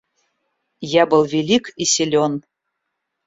Я был велик и силён.